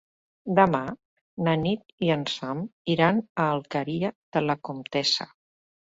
Demà na Nit i en Sam iran a l'Alqueria de la Comtessa.